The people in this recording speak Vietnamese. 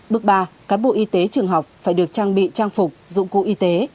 bước ba cán bộ y tế trường học phải được trang bị trang phục dụng cụ y tế